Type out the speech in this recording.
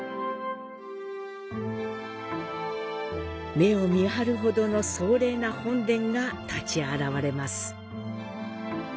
目を見張るほどの壮麗な本殿が立ちあらわれます。